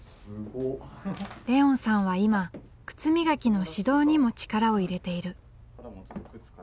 レオンさんは今靴磨きの指導にも力を入れている。